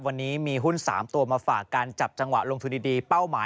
วันนี้มีหุ้น๓ตัวมาฝากการจับจังหวะรวงทุนดี